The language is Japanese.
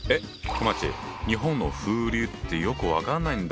こまっち日本の風流ってよく分かんないんだよ。